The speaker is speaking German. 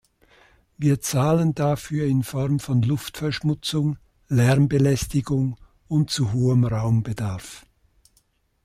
Wir zahlen dafür in Form von Luftverschmutzung, Lärmbelästigung und zu hohem Raumbedarf.